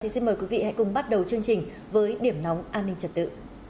xin mời quý vị hãy cùng bắt đầu chương trình với điểm nóng an ninh trật tự